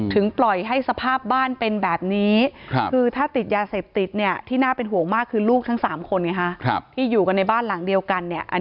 ถึงปล่อยให้สภาพบ้านเป็นแบบนี้คือถ้าติดยาเสพติดเนี่ยที่น่าเป็นหวงมากคือลูกทั้ง๓คนไงค่ะ